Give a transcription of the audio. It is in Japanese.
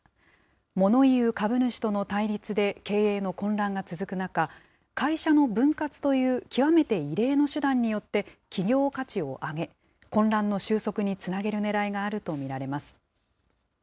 モノ言う株主との対立で経営の混乱が続く中、会社の分割という極めて異例の手段によって、企業価値を上げ、混乱の収束につなげるねらいがあると見られます。